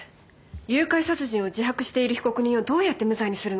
誘拐殺人を自白している被告人をどうやって無罪にするの？